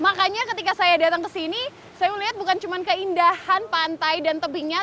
makanya ketika saya datang ke sini saya melihat bukan cuma keindahan pantai dan tebingnya